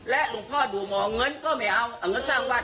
และลูกพ่อดูหมอเงินก็ไม่เอาแล้ว้างนั้นสร้างวัด